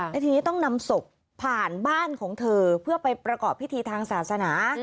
และทีนี้ต้องนำศพผ่านบ้านของเธอเพื่อไปประกอบพิธีทางศาสนา